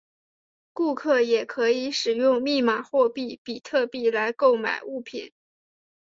顾客也可以使用密码货币比特币来购买物品。